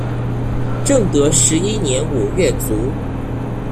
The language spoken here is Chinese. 正德十一年五月卒。